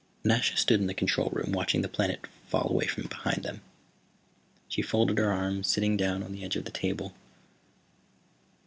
Nasha stood in the control room, watching the planet fall away behind them. She folded her arms, sitting down on the edge of the table.